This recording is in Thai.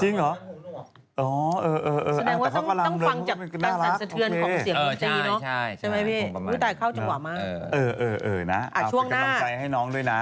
แต่ต้องฟังจากการสารสะเทือนของเสียงมีเตี๋ยวเนอะใช่ไหมพี่ครั้งประมาณเออนะเอาไปกับน้ำใจให้น้องด้วยนะ